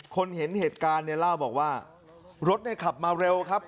คนเห็นเสร็จการนี้เล่าบอกว่ารถขับมาเร็วครับ